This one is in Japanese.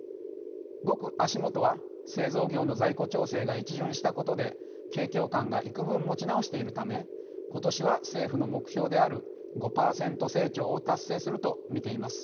ごく足元は製造業の在庫調整が一巡したことで景況感が幾分持ち直しているため今年は政府の目標である５％成長を達成すると見ています。